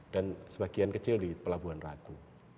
dan sebagian kecil di pelabuhan ratu